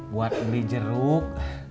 buat beli jeruk